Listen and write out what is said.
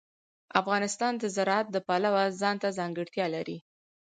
افغانستان د زراعت د پلوه ځانته ځانګړتیا لري.